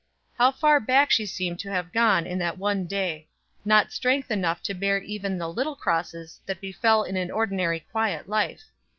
How far back she seemed to have gone in that one day not strength enough to bear even the little crosses that befell in an ordinarily quiet life!